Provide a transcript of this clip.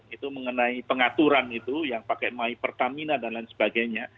itu mengenai pengaturan itu yang pakai my pertamina dan lain sebagainya